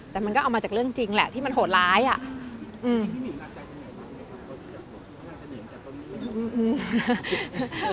แต่มันก็เอามาจากเรื่องจริงแหละที่มันโหดร้ายอ่ะ